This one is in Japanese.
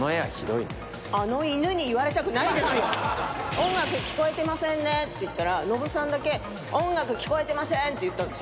「音楽聞こえてませんね」って言ったらノブさんだけ「音楽聞こえてません」って言ったんです。